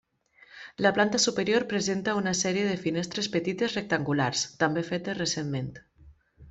La planta superior presenta una sèrie de finestres petites rectangulars, també fetes recentment.